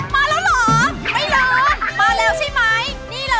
ไม่ลืมมาแล้วใช่ไหมนี่เลย